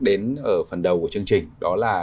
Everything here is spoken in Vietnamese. đến ở phần đầu của chương trình đó là